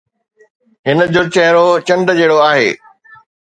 هن جو چهرو چنڊ جهڙو آهي